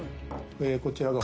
「こちらが。